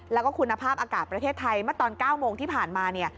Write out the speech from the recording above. แล้วก็คุณภาพอากาศประเทศไทยเมื่อตอน๙โมงที่ผ่านมาเนี่ย